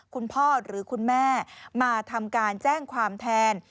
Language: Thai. คุณพ่อหรือคุณแม่มาทำการแจ้งความแทน